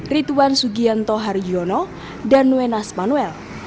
rituan sugianto hariono dan nuenas manuel